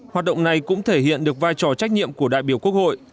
hoạt động này cũng thể hiện được vai trò trách nhiệm của đại biểu quốc hội